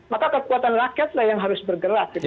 maka kekuatan rakyat yang harus bergerak